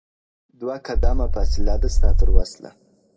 دوه قدمه فاصله ده ستا تر وصله,